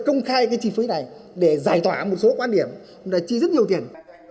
công khai chi phí này để giải tỏa một số quan điểm chỉ rất nhiều tiền